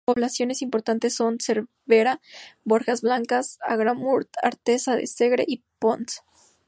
Otras poblaciones importantes son Cervera, Borjas Blancas, Agramunt, Artesa de Segre y Ponts.